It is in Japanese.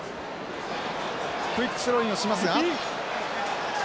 クイックスローインをしますが。